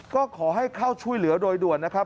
ก็ขอให้เข้าช่วยเหลือโดยด่วนนะครับ